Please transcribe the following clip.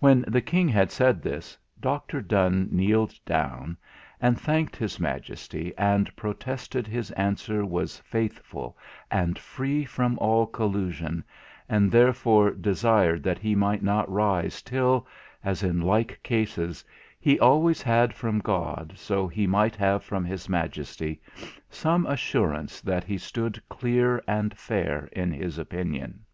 When the King had said this, Dr. Donne kneeled down, and thanked his Majesty, and protested his answer was faithful, and free from all collusion, and therefore "desired that he might not rise till, as in like cases, he always had from God, so he might have from his Majesty, some assurance that he stood clear and fair in his opinion."